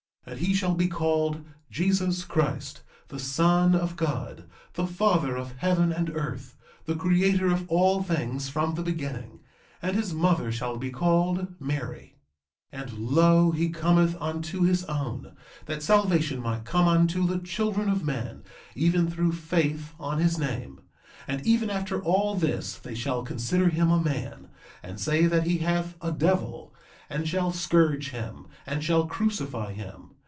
3:8 And he shall be called Jesus Christ, the Son of God, the Father of heaven and earth, the Creator of all things from the beginning; and his mother shall be called Mary. 3:9 And lo, he cometh unto his own, that salvation might come unto the children of men even through faith on his name; and even after all this they shall consider him a man, and say that he hath a devil, and shall scourge him, and shall crucify him.